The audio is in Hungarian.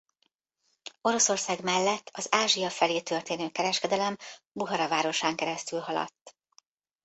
Oroszország mellett az Ázsia felé történő kereskedelem Buhara városán keresztül haladt.